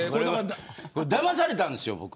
だまされたんですよ、僕。